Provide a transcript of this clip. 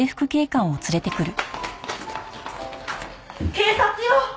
警察よ！